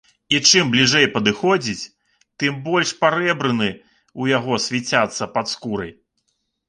І чым бліжэй падыходзіць, тым больш парэбрыны ў яго свіцяцца пад скураю.